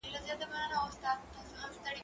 زه به کتابتوننۍ سره وخت تېره کړی وي